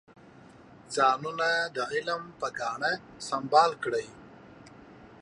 ځانونه د علم په ګاڼه سنبال کړئ.